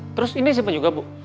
terus ini siapa juga bu